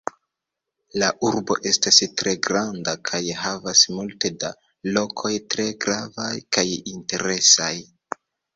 La urbo estas tre granda kaj havas multe da lokoj tre gravaj kaj interesaj.